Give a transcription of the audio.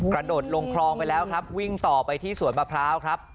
กระโดดลงคลองไปแล้วครับวิ่งต่อไปที่สวนมะพร้าวครับ